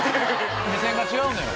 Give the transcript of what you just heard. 目線が違うのよ